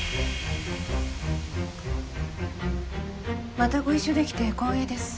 またご一緒できて光栄です。